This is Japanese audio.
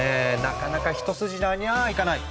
なかなか一筋縄にゃあいかない。